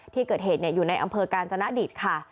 ที่เกิดเหตุอยู่ในอำเภอกาญจนดิตค่ะ